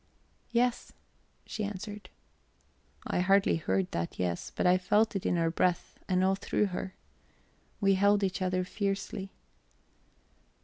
"Yes," she answered. I hardly heard that yes, but I felt it in her breath and all through her. We held each other fiercely.